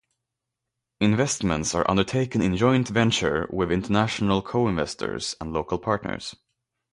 Investments are undertaken in joint-venture with international co-investors and local partners.